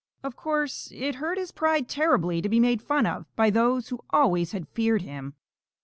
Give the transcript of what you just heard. Of course it hurt his pride terribly to be made fun of by those who always had feared him.